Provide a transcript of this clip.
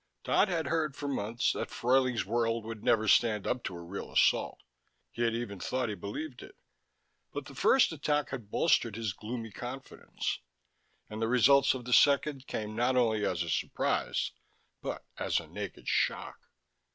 Dodd had heard for months that Fruyling's World could never stand up to a real assault: he had even thought he believed it. But the first attack had bolstered his gloomy confidence, and the results of the second came not only as a surprise but as a naked shock.